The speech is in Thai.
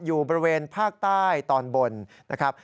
อยู่บริเวณภาคใต้ตอนบนนะครับ